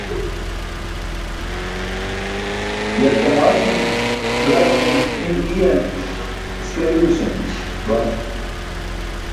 yarkamasum gar cum hin iiyan isken yugśanc bam